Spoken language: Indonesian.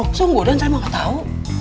betul den sungguh den saya mah nggak tahu